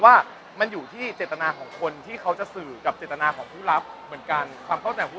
ว่าให้ปฎนดีตามมาหรือเปล่าเราไม่รู้